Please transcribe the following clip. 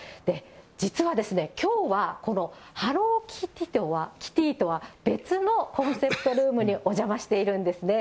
実はきょうはこのハローキティとは別のコンセプトルームにお邪魔しているんですね。